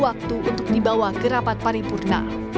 waktu untuk dibawa ke rapat paripurna